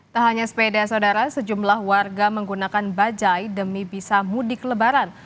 tak hanya sepeda saudara sejumlah warga menggunakan bajai demi bisa mudik lebaran